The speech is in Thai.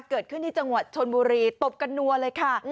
เกิดขึ้นที่จังหวัดชนบุรีตบกันนัวเลยค่ะ